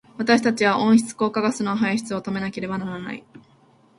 私たちは温室効果ガスの排出を止めなければならない。